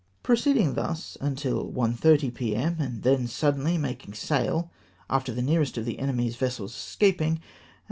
Proceeding thus till 1.30 p.m., and then suddenly making sail after the nearest of the enemy's vessels escaping, at 1.